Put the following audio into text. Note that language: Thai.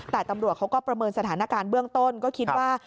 แต่ตำรวจเขาก็ประเมินสถานการณ์เบื้องต้นก็คิดว่า